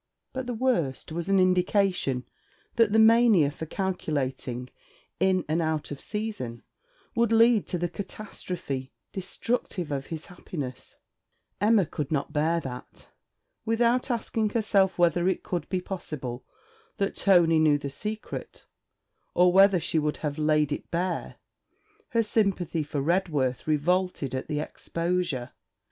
But the worst was an indication that the mania for calculating in and out of season would lead to the catastrophe destructive of his happiness. Emma could not bear that. Without asking herself whether it could be possible that Tony knew the secret, or whether she would have laid it bare, her sympathy for Redworth revolted at the exposure.